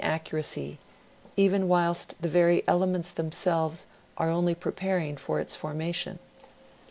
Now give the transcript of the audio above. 55 accuracy, even whilst the very elements themselves are only pre paring for its formation.